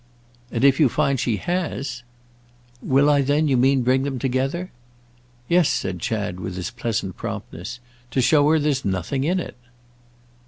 "And if you find she has—?" "Will I then, you mean, bring them together?" "Yes," said Chad with his pleasant promptness: "to show her there's nothing in it."